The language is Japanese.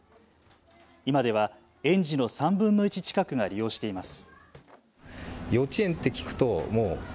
今では園児の３分の１近くが利用しています。